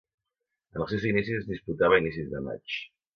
En els seus inicis es disputava a inicis de maig.